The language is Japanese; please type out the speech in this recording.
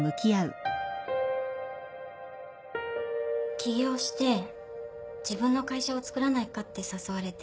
起業して自分の会社をつくらないかって誘われてて。